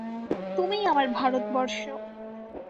তুমিই আমার ভারতবর্ষ।